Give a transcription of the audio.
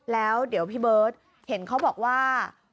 แล้วเดี๋ยวพี่เบิร์ตเห็นเขาบอกว่า